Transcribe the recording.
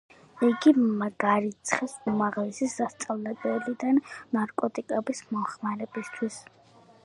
იგი გარიცხეს უმაღლესი სასწავლებლიდან ნარკოტიკების მოხმარებისთვის.